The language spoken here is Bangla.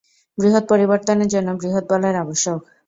বৃহৎ পরিবর্তনের জন্য বৃহৎ বলের আবশ্যক।